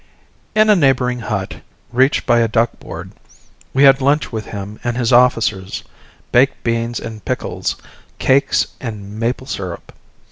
In a neighbouring hut, reached by a duck board, we had lunch with him and his officers baked beans and pickles, cakes and maple syrup.